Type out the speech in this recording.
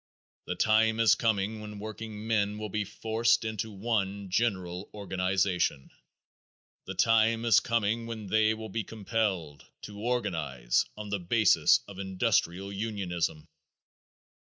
The time is coming when workingmen will be forced into one general organization. The time is coming when they will be compelled to organize on the basis of industrial unionism.